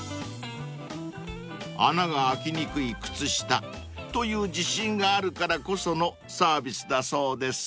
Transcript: ［穴が開きにくい靴下という自信があるからこそのサービスだそうです］